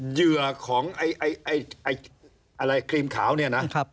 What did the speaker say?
เหยื่อของไอ้ครีมขาวนี่นะ